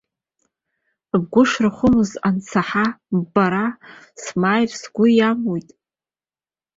Бгәы шрахәымыз ансаҳа ббара смааир сгәы иамуит.